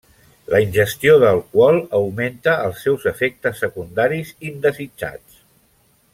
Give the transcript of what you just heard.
La ingestió d'alcohol augmenta els seus efectes secundaris indesitjats.